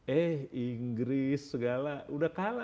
eh inggris segala udah kalah